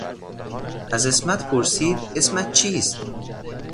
از عصمت پرسید اسمت چیست؟